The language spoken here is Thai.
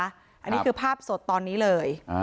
อันนี้คือภาพสดตอนนี้เลย